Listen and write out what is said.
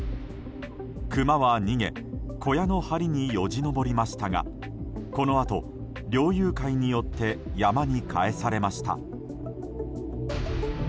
クマは逃げ小屋の梁によじ登りましたがこのあと猟友会によって山に帰されました。